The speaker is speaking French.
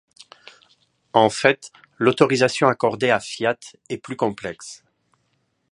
En fait, l'autorisation accordée à Fiat est plus complexe.